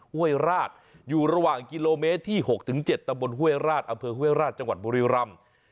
ห้วยราชอยู่ระหว่างกิโลเมตรที่๖๗ตำบลห้วยราชอำเภอห้วยราชจังหวัดบุรีรำ